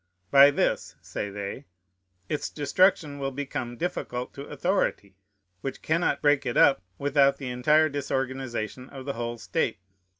"By this," say they, "its destruction will become difficult to authority, which cannot break it up without the entire disorganization of the whole state."